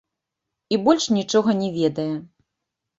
І больш нічога не ведае.